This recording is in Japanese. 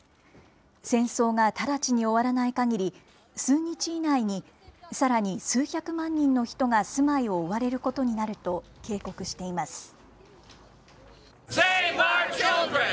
戦争が直ちに終わらないかぎり、数日以内にさらに数百万人の人が住まいを追われることになると、警告しています。